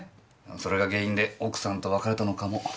それが原因で奥さんと別れたのかも。